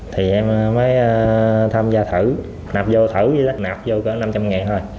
thì em mới tham gia thử nạp vô thử nạp vô khoảng năm trăm linh nghìn thôi